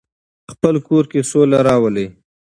خپل کور کې سوله راولئ.